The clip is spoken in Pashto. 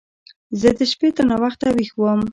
زه د شپې تر ناوخته ويښ وم.